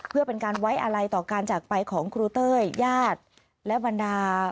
เพื่อเป็นการไว้อะไรต่อการจากไปของครูเต้ยญาติและบรรดา